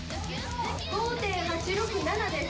５．８６７です！